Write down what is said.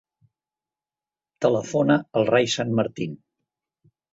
Telefona al Rai Sanmartin.